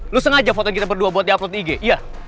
lu sengaja fotoin kita berdua buat di upload ig iya